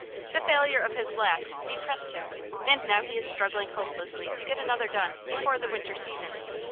The failure of his last depressed him, and now he is struggling hopelessly to get another done before the winter season.